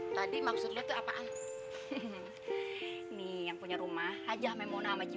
tadi maksudnya tuh apaan nih yang punya rumah aja memona